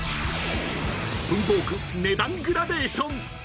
［文房具値段グラデーション］